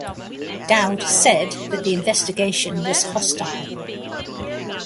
Dowd said that the investigation was "hostile".